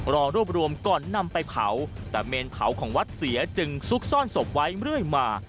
รอรวบรวมก่อนนำไปเผาแต่เมนเผาของวัดเสียจึงซุกซ่อนศพไว้เรื่อยมา